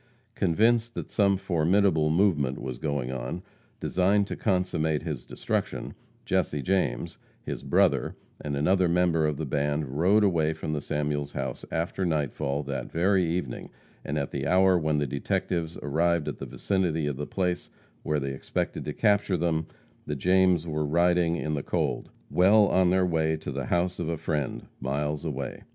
Convinced that some formidable movement was going on, designed to consummate his destruction, Jesse James, his brother, and another member of the band rode away from the Samuels house after nightfall that very evening, and at the hour when the detectives arrived in the vicinity of the place where they expected to capture them, the Jameses were riding in the cold, well on their way to the house of a friend, miles away.